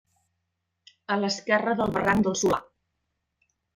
A l'esquerra del barranc del Solà.